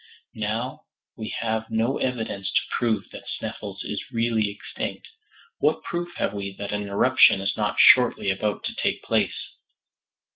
Now, we have no evidence to prove that Sneffels is really extinct. What proof have we that an eruption is not shortly about to take place?